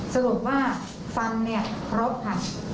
สรุปว่าฟังเนี่ยครบค่ะ